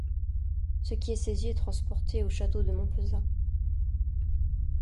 Ce qui est saisi est transporté au château de Montpezat.